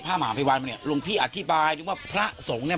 พระหมาภัยวันมาเนี้ยหลวงพี่อธิบายดูว่าพระสงฆ์เนี้ย